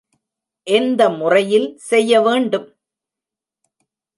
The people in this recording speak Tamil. எந்த முறையில் செய்ய வேண்டும்?